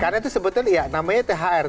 karena itu sebetulnya namanya thr